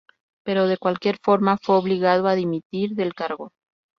Pero de cualquier forma, fue obligado a dimitir del cargo.